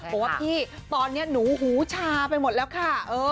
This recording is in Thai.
เพราะว่าพี่ตอนเนี่ยหนูหูชาไปหมดแล้วค่ะ